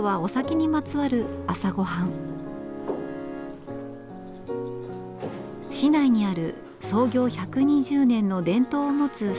市内にある創業１２０年の伝統を持つ酒蔵。